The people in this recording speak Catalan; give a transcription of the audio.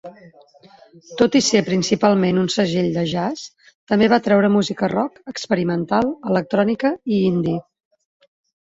Tot i ser principalment un segell de jazz, també va treure música rock, experimental, electrònica i indie.